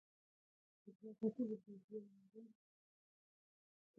دوکاندار د خپلو اجناسو کیفیت ته پام کوي.